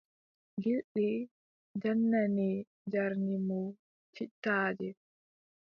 Gilɗi jannanni njarni mo cittaaje.